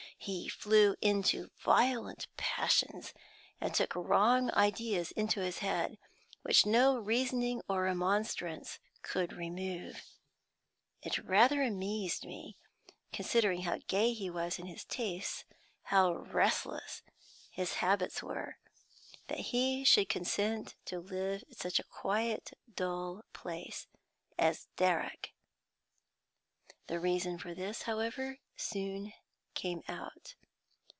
He flew into violent passions, and took wrong ideas into his head, which no reasoning or remonstrance could remove. It rather amazed me, considering how gay he was in his tastes, and how restless his habits were, that he should consent to live at such a quiet, dull place as Darrock. The reason for this, however, soon came out.